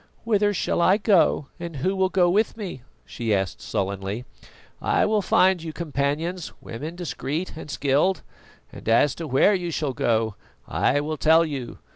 "Whither shall I go and who will go with me?" she asked sullenly. "I will find you companions, women discreet and skilled. And as to where you shall go, I will tell you.